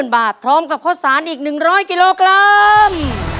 บาทพร้อมกับข้าวสารอีก๑๐๐กิโลกรัม